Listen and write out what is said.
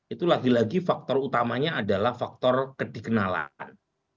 itu lagi lagi faktor utamanya adalah faktor kedikenalan